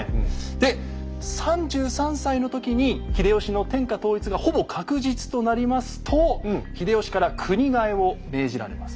で３３歳の時に秀吉の天下統一がほぼ確実となりますと秀吉から国替えを命じられます。